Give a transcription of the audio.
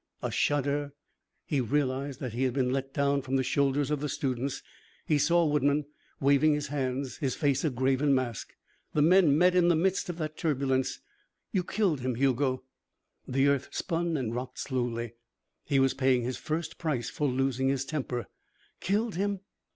A shudder. He realized that he had been let down from the shoulders of the students. He saw Woodman, waving his hands, his face a graven mask. The men met in the midst of that turbulence. "You killed him, Hugo." The earth spun and rocked slowly. He was paying his first price for losing his temper. "Killed him?"